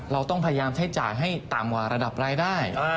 เราต้องพยายามที่จ่ายให้ตามวรรดับรายได้